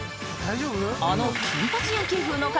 ［あの金髪］